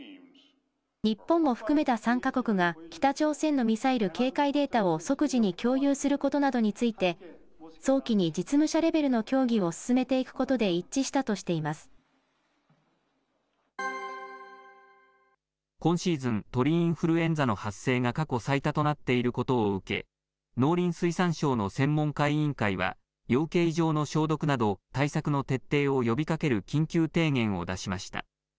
日本も含めた３か国が、北朝鮮のミサイル警戒データを即時に共有することなどについて、早期に実務者レベルの協議を進めていくことで一致したとしていま今シーズン、鳥インフルエンザの発生が過去最多となっていることを受け、農林水産省の専門家委員会は、養鶏場の消毒など、対策の徹底を呼びかける緊急提言を出しました。